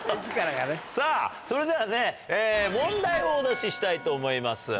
さあ、それではね、問題をお出ししたいと思います。